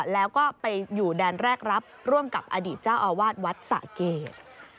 แล้วก็ไปอยู่แดนแรกรับร่วมกับอดีตเจ้าอาวาสวัดสะเกด